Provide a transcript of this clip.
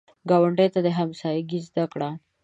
ګاونډي ته همسایګي زده کړه